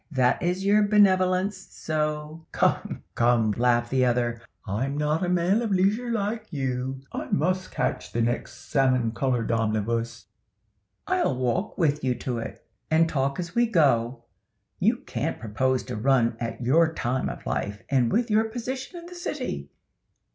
That is your benevolence. So"— "Come, come!" laughed the other. "I'm not a man of leisure like you. I must catch the next salmon colored omnibus." "I'll walk with you to it, and talk as we go. You can't propose to run at your time of life, and with your position in the city!